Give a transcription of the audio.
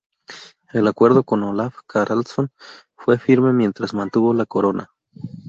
El acuerdo con Olaf Haraldsson fue firme mientras mantuvo la corona.